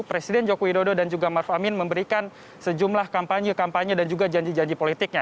presiden joko widodo dan juga maruf amin memberikan sejumlah kampanye kampanye dan juga janji janji politiknya